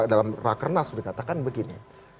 dalam rakernas berkatakan begini